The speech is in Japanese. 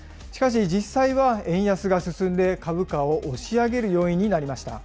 しかし、実際は円安が進んで、株価を押し上げる要因になりました。